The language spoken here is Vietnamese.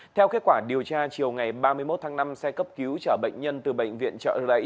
theo kết quả điều tra chiều ngày ba mươi một tháng năm xe cấp cứu trở bệnh nhân từ bệnh viện trợ lấy